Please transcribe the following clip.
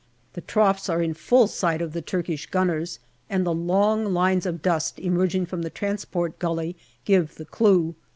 The troughs are in full sight of the Turkish gunners, and the long lines of dust emerging from the transport gully give the clue.